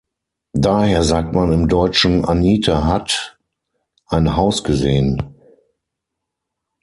Daher sagt man im Deutschen „Anita "hat" ein Haus gesehen“.